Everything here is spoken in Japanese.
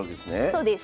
そうです。